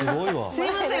すみません。